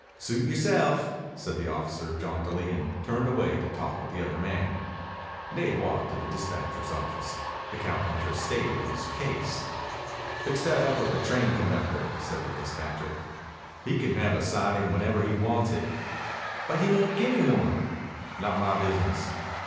"Suit yourself," said the officer jauntily, and turned away to talk with the other man. Dave walked to the dispatcher's office. The cowpuncher stated his case. "Fix that up with the train conductor," said the dispatcher. "He can have a siding whenever he wants it." "But he won't gimme one." "Not my business."